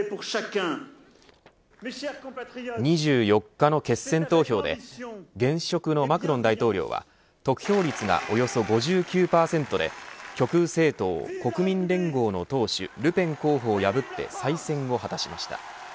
２４日の決選投票で現職のマクロン大統領は得票率がおよそ５９％で極右政党、国民連合の党首ルペン候補を破って再選を果たしました。